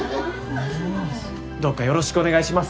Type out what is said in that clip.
どうかよろしくお願いします。